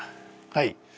はい。